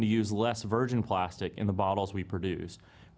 bisa anda memberikan sedikit lebih detail apa solusi anda